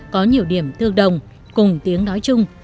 có nhiều điểm tương đồng cùng tiếng nói chung